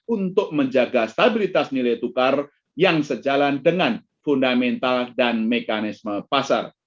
untuk menjaga stabilitas nilai tukar yang sejalan dengan fundamental dan mekanisme pasar